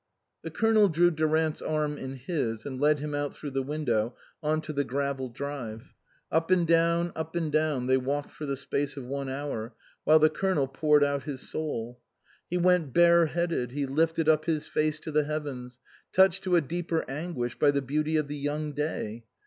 The Colonel drew Durant's arm in his and led him out through the window on to the gravel drive. Up and down, up and down, they walked for the space of one hour, while the Colonel poured out his soul. He went bare headed, he lifted up his face to the heavens, touched to a deeper anguish by the beauty of the young day.